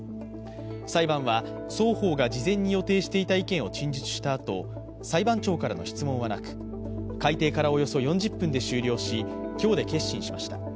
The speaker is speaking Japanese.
裁判は、双方が事前に予定していた意見を陳述したあと、裁判長からの質問はなく、開廷からおよそ４０分で終了し、今日で結審しました。